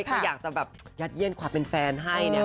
ก็อยากจะแบบยัดเยี่ยนความเป็นแฟนให้เนี่ย